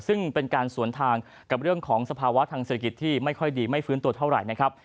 ซึ่งเป็นการสวนทางกับเรื่องของสภาวะทางเศรษฐกิจที่ไม่ค่อยดีไม่ฟื้นตัวเท่าไหร่นะครับ